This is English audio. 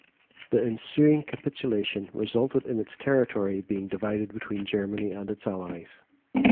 The ensuing capitulation resulted in its territory being divided between Germany and its allies.